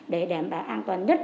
để đảm bảo an toàn nhất